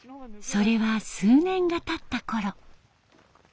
それは数年がたったころ。